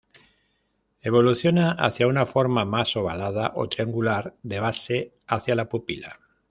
Evoluciona hacia una forma más ovalada, o triangular de base hacia la pupila.